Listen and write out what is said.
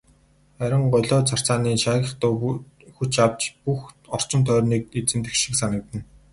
Харин голио царцааны шаагих дуу хүч авч бүх орчин тойрныг эзэмдэх шиг санагдана.